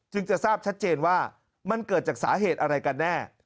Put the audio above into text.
จะทราบชัดเจนว่ามันเกิดจากสาเหตุอะไรกันแน่